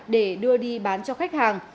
để đưa đi bán cho khách hàng